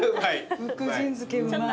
福神漬けうまい。